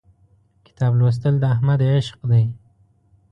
کتاب لوستل د احمد عشق دی.